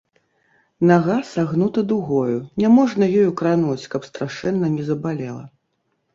Нага сагнута дугою, няможна ёю крануць, каб страшэнна не забалела.